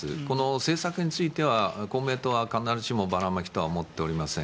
政策については、公明党は必ずしもばらまきとは思っておりません。